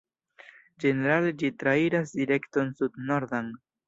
Ĝenerale ĝi trairas direkton Sud-Nordan.